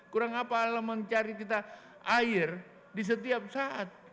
kurang apa alam mencari kita air di setiap saat